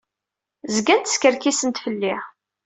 Zgant skerkisent fell-i.